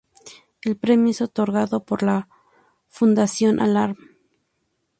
El premio es otorgado po la fundación Alarm.